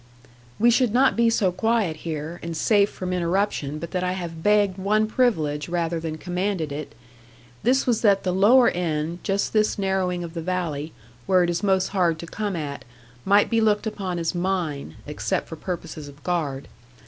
'We should not be so quiet here, and safe from interruption but that I have begged one privilege rather than commanded it. This was that the lower end, just this narrowing of the valley, where it is most hard to come at, might be looked upon as mine, except for purposes of guard.